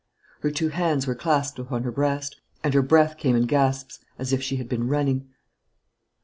Her two hands were clasped upon her breast, and her breath came in gasps, as if she had been running.